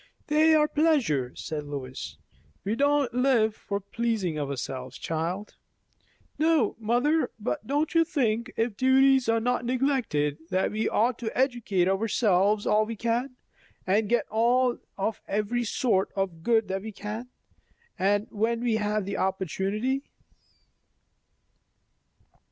"They are pleasure," said Lois. "We don't live for pleasing ourselves, child." "No, mother; but don't you think, if duties are not neglected, that we ought to educate ourselves all we can, and get all of every sort of good that we can, when we have the opportunity?"